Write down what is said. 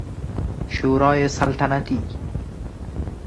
شورای سلطنتی